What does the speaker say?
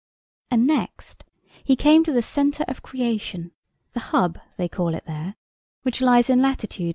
And next he came to the centre of Creation (the hub, they call it there), which lies in latitude 42.